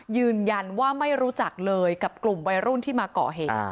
ยืนยันว่าไม่รู้จักเลยกับกลุ่มวัยรุ่นที่มาก่อเหตุ